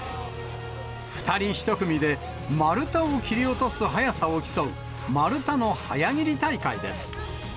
２人１組で丸太を切り落とす速さを競う丸太の早切り大会です。